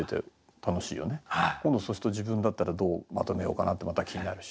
今度そうすると自分だったらどうまとめようかなってまた気になるし。